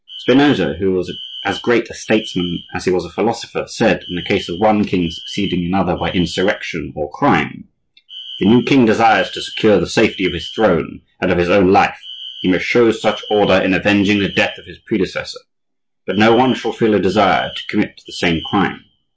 Spinosa, who was as great a statesman as he was a philosopher, said—in the case of one king succeeding another by insurrection or crime,— "If the new king desires to secure the safety of his throne and of his own life he must show such ardor in avenging the death of his predecessor that no one shall feel a desire to commit the same crime.